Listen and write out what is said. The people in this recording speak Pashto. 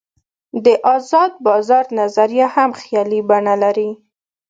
د آزاد بازار نظریه هم خیالي بڼه لري.